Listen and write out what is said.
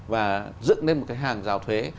và dựng lên một cái hàng giao thuế